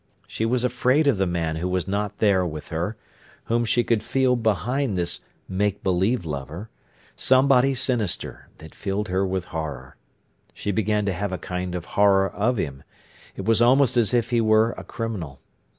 She was afraid of the man who was not there with her, whom she could feel behind this make belief lover; somebody sinister, that filled her with horror. She began to have a kind of horror of him. It was almost as if he were a criminal.